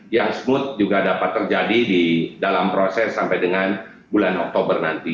yang smooth juga dapat terjadi di dalam proses sampai dengan bulan oktober nanti